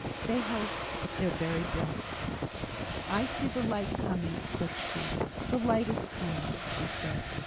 They held their very breaths. "I see the Light coming," said she. "The Light is coming," she said.